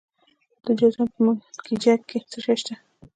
د جوزجان په منګجیک کې څه شی شته؟